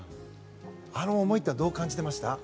あの思いはどう感じてました？